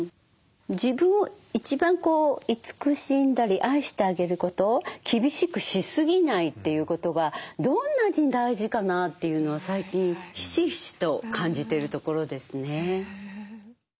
自分を一番こう慈しんだり愛してあげること厳しくしすぎないということがどんなに大事かなというのを最近ひしひしと感じてるところですね。